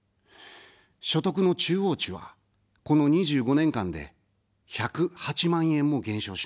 所得の中央値は、この２５年間で１０８万円も減少しました。